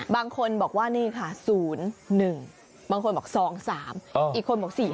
บางคนบอกว่านี่ค่ะ๐๑บางคนบอก๒๓อีกคนบอก๔๐